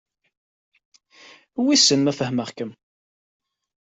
Wissen ma fehmeɣ-kem?